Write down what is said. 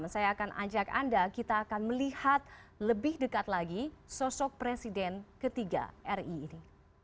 sembilan belas tiga puluh enam saya akan ajak anda kita akan melihat lebih dekat lagi sosok presiden ketiga ri ini